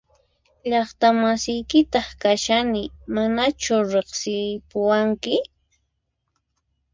Llaqta masiykitaq kashani ¿Manachu riqsipuwanki?